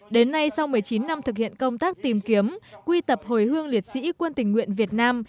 đến nay sau một mươi chín năm thực hiện công tác tìm kiếm quy tập hồi hương liệt sĩ quân tình nguyện việt nam